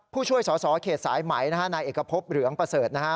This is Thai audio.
ผู้ช่วยสอเขตสายไหมนะครับนายเอกภพหลืองประเสริฐนะครับ